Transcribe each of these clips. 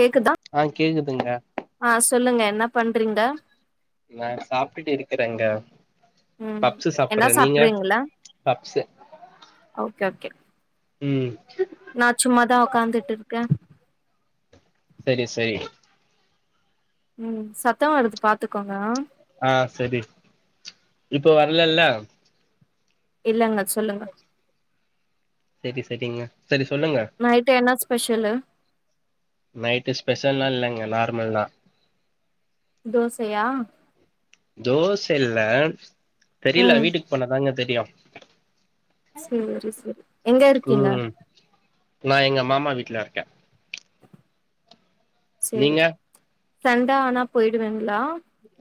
கேக்குதா ஆ கேக்குதுங்க ஆ சொல்லுங்க என்ன பண்றீங்க நா சாப்ட்டுட்டு இருக்கறங்க ம் பப்ஸு என்ன சாப்பட்ற நீங்க சாப்ட்றீங்களா பப்ஸு ஓகே ஓகே ம் நா சும்மாதா ஒக்காந்துட்டு இருக்க செரி செரி ம் சத்தோ வருது பாத்துக்கோங்க ஆ செரி இப்போ வரலல்ல இல்லங்க சொல்லுங்க செரி செரிங்க சேரி சொல்லுங்க நைட்டு என்ன ஸ்பெஷலு நைட்டு ஸ்பெஷல்லா இல்லைங்க நார்மல் தா தோசையா தோச இல்ல தெரியல ம் வீட்டுக்கு போனாதாங்க தெரியு சேரி சேரி எங்க இருக்கீங்க ம் நா எங்க மாமா வீட்ல இருக்க சேரி நீங்க சண்டே ஆனா போயிடுவேங்ளா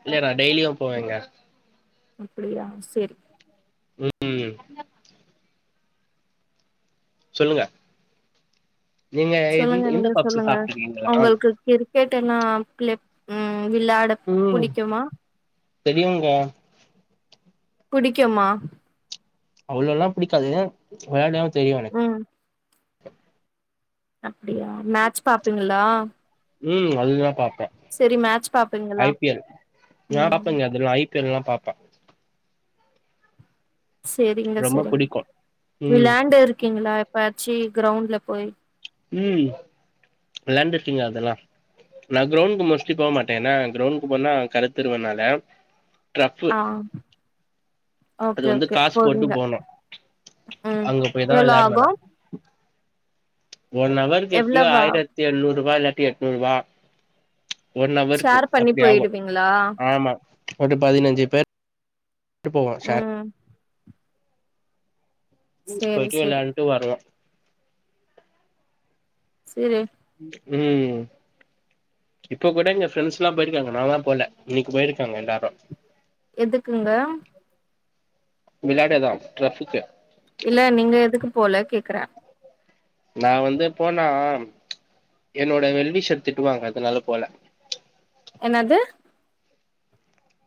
இல்ல நா டெய்லியும் போவேங்க அப்படியா சேரி ம் ம் சொல்லுங்க நீங்க சொல்லுங்க எந் இந்த நீங்க பப்ஸு சொல்லுங்க சாப்டுருக்கீங்களா உங்களுக்கு கிரிக்கெட் எல்லா பிள்ளே ம் விளையாட ம் தெரியுங்க புடிக்குமா அவ்ளோல்லா புடிக்காது விளையாடவ தெரியு எனக் ம் அப்டியா மேட்ச் பாப்பிங்களா ம் அது தா பாப்பே மேட்ச் பாப்பீங்களா ஐ பி எல் நா ம் பாப்பேங்க அதெல்லா ஐ பி எல் லா பாப்பே சேரிங்க ரொம்ப சேரிங்க புடிக்கு ம் விளையாண்டு இருக்கீங்களா எப்பாயச்சி கிரவுண்ட்ல போய் ம் விளையாண்ருக்கேங்க அதல்லா நா கிரவுண்டுக்கு மோஸ்ட்லி போ மாட்டே ஏனா கிரவுண்டுக்கு போனா கருத்துருவேனால ஆ அது ஓகே வந்து ஓகே காசு போட்டு போதுங்க போனு ம் அங்க போய் தா எவ்ளோ வெளாடுவே ஆகு நா ஒன் அவருக்கு எப்புடியோ எவ்ளவு ஆகு ஆயிரத்தி எழ்நூற் ருவா இல்லாட்டி எட்நூற் ருவா ஒன் அவருக்கு ஷேர் பண்ணி அப்டி ஆகு போயிடுவீங்களா ஆமா அப்புடி பதினஞ்சு பேர் ட்டு போவோ ஷேர் ம் சேரி போயிட்டு சேரி விளையாண்டுட்டு வர்லா சேரி ம் இப்ப கூட எங்க ஃப்ரெண்ட்ஸ்லா போயிருக்காங்க நா தா போல இன்னைக்கு போயிருக்காங்க எல்லாரு எதுக்குங்க விளையாட தா டிரஃப்புக்கு இல்ல நீங்க எதுக்கு போல கேக்குறே நா வந்து போனா என்னோட வெல் விஷர் திட்டுவாங்க அதுனால போல என்னாது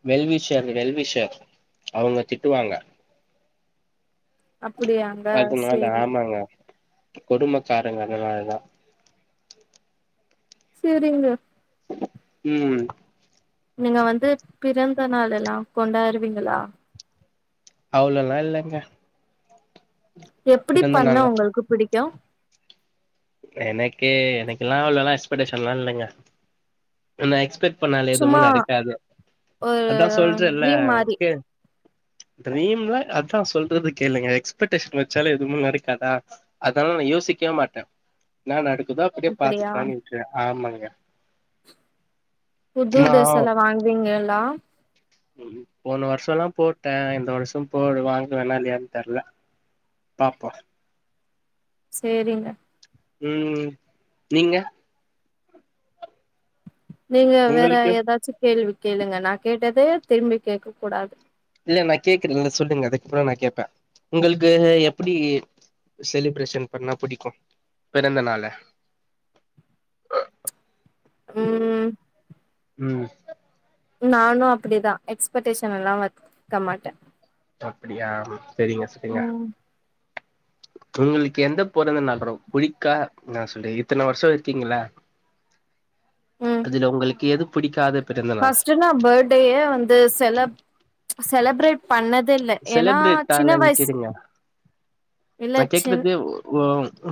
வெல்விஷர் வெல்விஷர் அவுங்க திட்டுவாங்க அப்டியாங்க அதுனால சேரி ஆமாங்க கொடும்மக்காரங்க அதுனால தா சேரிங்க ம் நீங்க வந்து பிறந்த நாளெல்லா கொண்டாடுவீங்களா அவ்ளோல்லா இல்லங்க எப்புடி பிறந்த பண்ண நாள்லா உங்களுக்கு பிடிக்கு எனக்கே எனக்கல்லா அவ்ளோல்லா எக்ஸ்படேஷன்ல்லா இல்லைங்க நா எக்ஸ்பெக்ட் பண்ணாலே எதுமே சும்மா நடக்காது ஒரு அதா சொல்றேன்ல்ல ட்ரீம் மாரி கே ட்ரீம்ல அதா சொல்றது கேளுங்க எக்ஸ்பெக்டேஷன் வச்சாலே எதுவும் நடக்காதா அதலா நா யோசிக்கவே மாட்டே நா நடக்குதா அப்புடியே அப்படியா பாத்துக்கலான் விட்றுவே ஆமாங்க புது நா டிரஸ்ஸல்லா வாங்குவீங்களா போன வருஷோல்லா போட்டே இந்த வருஷோ போடு வாங்குவேணா இல்லையான் தெர்ல பாப்போ சேரிங்க ம் நீங்க நீங்க வேற உங்களுக்கு ஏதாச்சு கேள்வி கேளுங்க நா கேட்டதே திரும்பி கேட்க கூடாது இல்ல நா கேக்குறன்ல்ல சொல்லுங்க அதுக்கு அப்பறோ நா கேப்பே உங்களுக்கு எப்புடி செலிப்ரேஷன் பண்ணா புடிக்கு பிறந்த நாளா ம் ம் நானு அப்படிதா எக்ஸ்பெக்டேஷன்ல்லா வக்க மாட்ட அப்படியா சரிங்க சரிங்க ம் உங்களுக்கு எந்த பொறந்த நாள் மேடம் புடிக்கா என்ன சொல்ற இத்தன வருஷம் இருக்கீங்கள்ல ம் அதுல உங்களுக்கு எது புடிக்காத பிறந்த நாள் நான் ப டேயே வந்து செலப் செலப்ரேட் பண்ணதேல்ல ஏன்னா சின்ன வயசு இல்ல நான் சின் கேக்கறது ஒ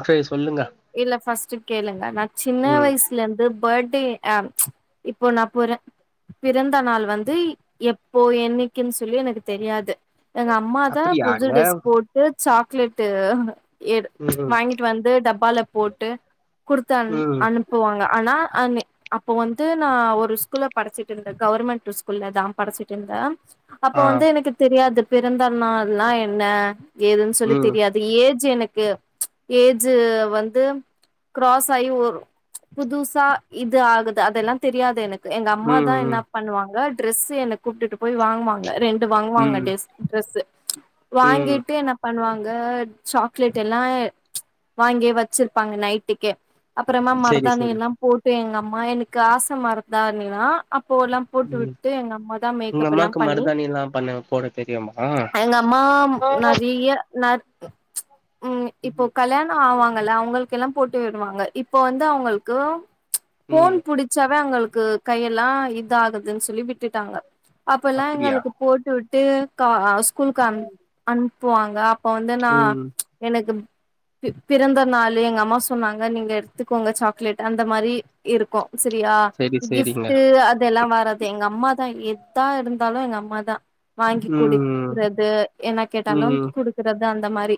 செரி சொல்லுங்க இல்ல ஃபர்ஸ்ட்டு கேளுங்க நா சின்ன ம் வயசு லந்து பர்த்டே அ இப்போ நா பொறந் பிறந்த நாள் வந்து எப்போ என்னைக்குன்னு சொல்லி எனக்கு தெரியாது எங்க அம்மா தா புது அப்டியாங்க டெஸ் போட்டு சாக்லேட்டு எடு ம் ம் வாங்கி ட்டு வந்து டப்பால போட்டு குடுத்து அன் ம் அனுப்புவாங்க ஆனா அ அப்போ வந்து நான் ஒரு ஸ்கூல்ல படிச்சிட்டு இருந்தேன் கவர்மெண்ட் ஸ்கூல்லதான் படிச்சிட்டு இருந்தேன். அப்ப ஆ வந்து எனக்கு தெரியாது பிறந்த நாள்ல்ன்ன ஏதுன்னு சொல்லி ம் தெரியா து ஏஜ் எனக்கு ஏஜ்ஜூ வந்து கிராஸ் ஆகி ஒரு புதுசா இது ஆகுது அதெல்லா தெரியாது எனக்கு எங்க அம்மா தா ம் என்ன ம் பண்ணுவாங்க டிரெஸ்ஸு என்ன கூப்டுட்டு போய் வாங்குவாங்க ரெண் டு வாங்குவாங்க ம் டெஸ் ட்ரெஸ்சு ம் வாங்கிட்டு என்ன பண்ணுவாங்க சாக்லேட் எல்லா வாங்கியே வச்சிருப்பாங்க நைட்டுக்கே அப்றமா செரி மருதாணி செரி எல்லா போட்டு எங்க அம்மா எனக்கு ஆச மருதாணினா அப்போ எல்லா போட்டு ம் விட்டு எங்க அம்மா தா உங்க மேக்கப் எல்லா அம்மாக்கு பண்ணி மருதாணில்லா பண்ண போட தெரியுமா எங்க அம்மா நறைய ந ம் இப்போ கல்யாணம் ஆவாங்கள்ல அவங்களுக்கெல்லா போட்டு விடுவாங்க இப்போ வந்து அவங்களுக்கு போன் ம் புடிச்சாவே அவங்களுக்கு கையெல்லா இதா ஆகுதுன்னு சொல்லி விட்டுட்டாங்க அப்பல்லா அப்டியா எங்களுக்கு போட்டு விட்டு கா ஸ்கூலுக்கு அனு அனுப்புவாங்க இப்ப வந்து நா ம் எனக்கு பி பிறந்த நாளு எங்க அம்மா சொன்னாங்க நீங்க எடுத்துக்கோங்க சாக்லேட் அந்த மாரி இருக்கும் செரியா செரி செரிங்க கிஃப்ட்டு அதெல்லா வரா து எங்க அம்மா தா எத்தா இருந்தாலு எங்க அம்மாதா வாங்கி ம் குடிக்கிறது என்ன கேட்டாலும் ம் குடுக்கறது அந்த மாரி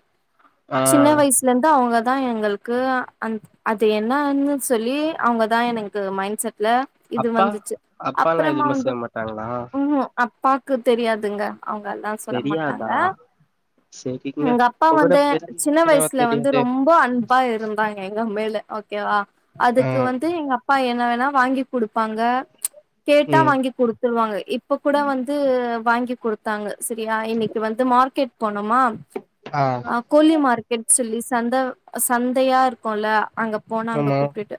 ஆ சின்ன வயசுலருந்து அவங்க தான் எங்களுக்கு அந் அது என்னான்னு சொல்லி அவங்க தான் எனக்கு மைண்ட் செட்ல இது அப்பா வந்துச்சு அப்பால்லா அப்பறமா எதுவுமே வந்து செய்ய மாட்டாங்களா அப்பாக்கு தெரியாதுங்க அவங்க எல்லா சொல்ல மாட்டாங்க தெரியாதா செரிங்க எங்க அப்பா இப்ப கூட வந்து பிறந்தவங்க சின்ன கூடவா வயசுல வந்து தெரியாது ரொம் ப அன்பா இருந்தாங்க எங்க மேல ஓகேவா ஆ அதுக்கு வந்து எங்க அப்பா என்ன வேணா வாங்கி குடுப்பாங்க கேட்டா ம் வாங்கி குடு த்துருவாங்க இப்ப கூட வந்து வாங்கிகுடுத்தாங்க சரியா இன்னைக்கு வந்து மார்க்கெட் போனோமா ஆ கோலி மார்க்கெட் சொல்லி சந்த சந்தையா இருக்குல அங்க போனா அங்க ஆமா கூப்டுட்டு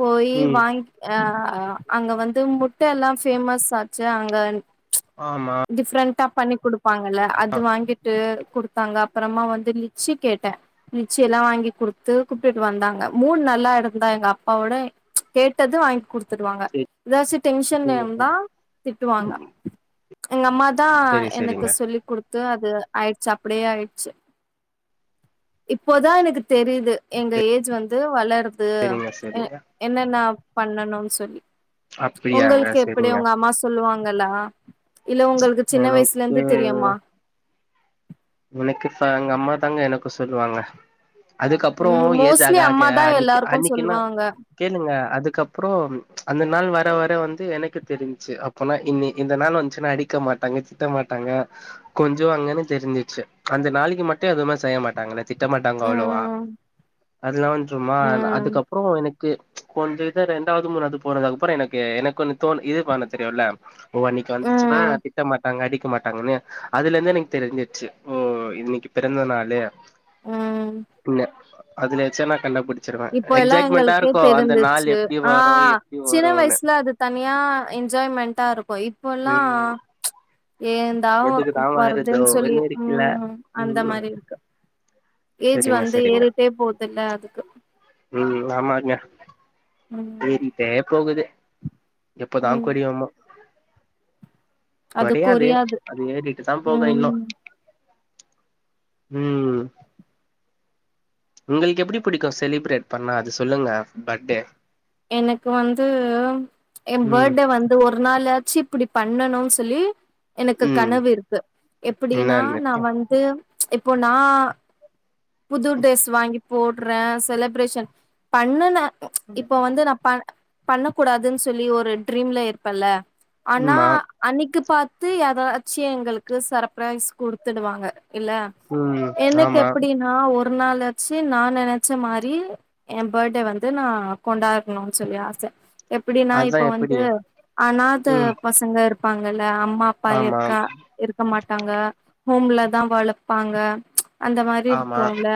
போயி ம் வாங் ஆ அங்க வந்து முட்ட எல்லா பேஃமஸ் ஆச்சு அங்க ஆமா டிஃப்ரெண்ட்டா பண்ணி கொடுப்பாங்கள்ல அது வாங்கிட்டு கொடுத்தாங்கப் அப்புறமா வந்து லிச்சி கேட்டே லிச்சில்லா வாங்கி குடுத்து கூப்டுட்டு வந்தாங்க மூட் நல்லா இருந்தா எங்க அப்பாவோட கேட்டதூ வாங் குடுத்துருவாங்க செரி ஏதாச்சூ டென்ஷன்ல செரி இருந்தா திட்டுவாங்க எங்க அம்மா தா செரி எனக்கு செரிங்க சொல்லி குடுத் த்து அது ஆய்டுச்சு அப்டியே ஆய்டுச்சு இப்போதா எனக்குத் தெரிது எங்க ஏஜ் வந்து வளருது செரிங்க செரிங்க என்னன்னா பண்ணணூ சொல்லி அப்டியாங்க உங்கள்க்கு எப்டி செரிங்க உங்க அம்மா சொல்லுவாங்களா இல்ல உங்களுக்கு சின்ன வயஸ்ல எனக்கு இருந்து தெரியுமா இன்னக்கி சாய்ங் எங்க அம்மா தாங்க எனக்கு சொல்லுவாங்க அதுக்கப்றோ ம் ஏஜ் மோஸ்ட்லி ஆக ஆக அம்மா தான் அன்னிக்கு எல்லாருக்கு அன்னிக்குன்னா சொல்லுவாங்க கேளுங்க அதுக்கப்றோ அந்த நாள் வர வர வந்து எனக்கு தெரிஞ்ச்சு அப் ன்னா இனி இந்த நாள் வந்ச்சுன்னா அடிக்க மாட்டாங்க திட்ட மாட்டாங்க கொஞ்சுவாங்கனூ தெரிஞ் சு அந்த நாளைக்கி மட்டு எதுமே செய்ய மாட்டாங்க என்ன திட்ட மாட்டாங்க அவ்ளோவா ம் அதெலா வந்து ம்மா ம் அதுக்கப்றோ எனக் கு கொஞ்சோ இதா ரெண்டாவது மூணாது போனதுக்கு அதுக்ப்றோ எனக்கு எனக்கு ஒன்னூ தோனுத் இது பண்ண தெரியுல்ல ஓ அன்னிக்கு வந்துச்சுன்னா ம் திட்ட மாட்டாங்க அடிக்க மாட்டாங்கனு அதுல இருந்து எனக்கு தெரிஞ்சிருச்சு ஓ இன்னிக்கு பிறந்த நாளு ம் அது நெச்சா நா கண்டுபுடி இப்போ எல்லா எங்களுக்கே தெரிந்துச்சு எப்டி ஆ வரு எப்டி சின்ன வருன்னு வயசுல அது தனியா என்ஜாய்மெண்ட்டா இருக்கோ இப்பெல்லா ம் ந்தாவு எதுக்குதா வருதோ வருதுன்னு சொல்லி ஒன்னு இருக்குல்ல ம் அந்த ம் மாரி இருக்கு ஏஜ் செரிங்க வந்து செரிங்க ஏறிட்டே போதில்ல அதுக்கு ம் ஆமாங்க ம் ஏறிட்டே போகுது எப்போதா ம் கொரியோமோ அது கொரியாது ஏரிட்டு தா போக இன்னோ ம் ம் உங்களுக்கு எப்டி புடிக்கோ செலிப்ரேட் பண்ணா அது சொல்லுங்க பர்ட்டே எனக்கு வந்து ஏ ம் பேர்டே வந் து ஒர் நாளாச்சி இப்டி பண்ணணோ சொல்லி எனக்கு ம் கனவு இருக்கு எப்படின்னா என்னன்னு நா வந்து இப்போ நா புது ட்ரெஸ் வாங்கி போட்றே செலப்ரேஷன் பண்ணுன ம் இப்ப வந்து நா ப பண்ணக் கூடாதுன்னு சொல்லி ஒரு ட்ரீம்ல இருப்பேன்ல்ல ஆனா ம்மா அன்னிக்கு பாத்து ஏதாச்சி எங்களுக்கு சர்பரைஸ் குடுத்துடுவாங்க இல்ல ம் எனக்கு ஆமா எப்டின் நா ஒரு நாளாச்சு நா நெனச்ச மாரி ஏ பேர்டே வந்து நா கொண்டாட் னோ சொல்லி ஆச எப்டின்னா அதா இப்ப எப்டி வந்து அநாத ம் பசங் அங்க இருப்பாங்கல்ல அம்மா அப்பா ஆமா இருக்கா இருக்க மாட்டாங்க ஹோம்ல தா வளப்பாங்க அந்த மாரி ஆமா இருக்கூல்ல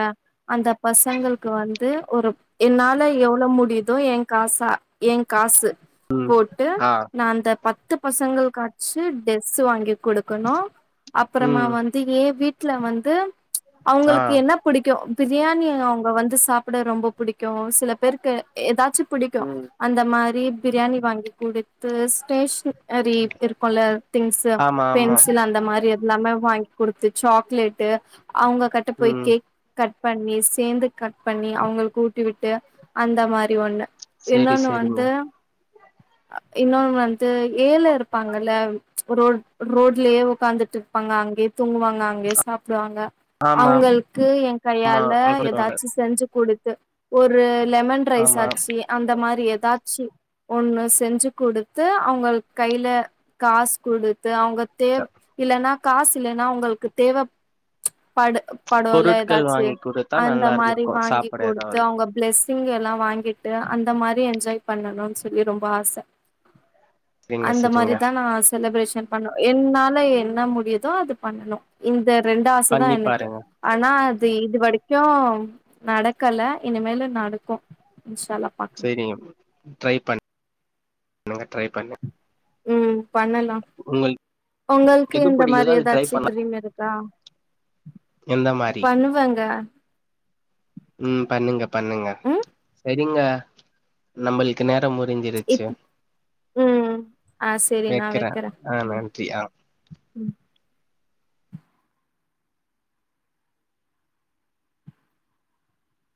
அந்த பசங்களுக்கு வந்து ஒரு என்னால எவ்ளோ முடித் தே ஏங்காசா ஏ காசு போட்டு ஆ நா அந்த பத் து பசங்களுகாச்சு டெஸ் வாங்கி குடுக்கணோ அப்புறமா ம் வந் தி ஏ வீட்ல வந்து ஆ அவுங்களுக்கு என்ன புடிக்கு பிரியாணி அவுங்க வந்து சாப்பட ரொம்ப புடிக்கு சில பேருக்கு எதாச்சு புடிக்கு ம் அந்த மாரி பிரியாணி வாங்கி குடுத்து ஸ்டேஷ்ன னரி இருக்குல திங்ஸூ ஆமா ஆமா பென்சில் அந்தமாரி இ எல்லாமே வாய்ங் குடுத்து சாக்லேட்டு அவுங்க கட்ட போய் ம் கேக் கட் பண்ணி சேந்து கட் பண்ணி அவுங்களுக்கு ஊட்டி விட்டு அந்தமாரி ஒன்னு செரி இன்னொன்னு செரிங்க வந்து இன்னொனு வந்து ஏழ இருப்பாங்கல்ல ரோட் ரோட்லயே உக்காந்துட்டு பாங்க அங்கயே தூங்குவாங்க அங்கயே சாப்டுவாங்க ஆமா அவுங்களுக்கு எ ஆமா கையால எதாச்சு செஞ்சு குடுத்து ஒரு லெமன் ரைஸ் ஆமா ஆச்சு அந்தமாரி எதாச்சு ஒன்னு செஞ்சு குடுத்து அவுங்களுக்கு கைல காஸ் குடுத் து அவுங்க தேவ் இல்லன்னா காசு இல்லனா அவுங்களுக்கு தேவப்படு படுல பொருட்கள் எதாச்சு வாங்கி குடுத்தா நல்லா அந்தமாரி இருந்திருக்கு வாங்கி சாப்பட குடுத்து ஏதாவது அவுங்க பிளஸ்ஸிங் எல்லா வாங்கிட்டு அந்தமாரி என்ஜாய் பண்ணணுன் சொல்லி ரொம்ப ஆச செரிங்க அந்த செரிங்க மாரிதான் நா செலப்ரேஷன் பண்ணு என்னால என்ன முடியுதோ அது பண்ணணு இந்த ரெண்டு ஆசதா பண்ணி எனக்கு பாருங்க ஆனா அது இது வரிக்கு நடக்கல இனிமேலு நடக்கும் இன்ஷால்லா சேரிங்க ட்ரை பண்ணுங்க ட்ரை பண்ணு ம் பண்ணலா உங்களுக்கு உங்களுக்கு எது இந்தமாரி பிடிக்குதோ அது ட்ரை எதாச்சு பண்ண ட்ரீம் இருக் கா எந்த மாரி பண்ணுவேங்க ம் பண்ணுங்க பண்ணுங்க ம் சேரிங்க நம்முள்க்கு நேரோ முடிஞ்சிருச்சு இப் ம் ஆ செரி நா வெக்கிற வைக்கிறே ஆ ம் நன்றி ஆ ம்